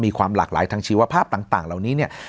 มีความหลากหลายทางชีวภาพต่างเหล่านี้เนี่ย